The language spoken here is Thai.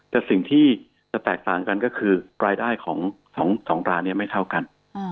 แต่สิ่งที่จะแตกต่างกันก็คือรายได้ของ๒ร้านนี้ไม่เท่ากัน